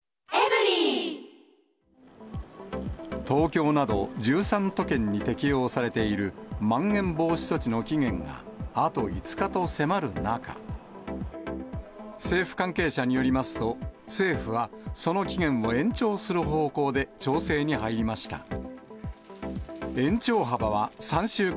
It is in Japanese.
東京など１３都県に適用されているまん延防止措置の期限が、あと５日と迫る中、政府関係者によりますと、政府はその期限を延長する方向で調整に入りました。